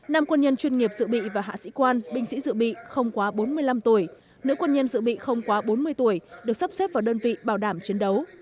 năm quân nhân chuyên nghiệp dự bị và hạ sĩ quan binh sĩ dự bị không quá bốn mươi năm tuổi nữ quân nhân dự bị không quá bốn mươi tuổi được sắp xếp vào đơn vị bảo đảm chiến đấu